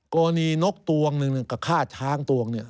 โกนีนกตวงนึงกับฆ่าช้างตวง